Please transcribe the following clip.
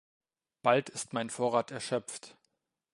Bald ist mein Vorrat erschöpft.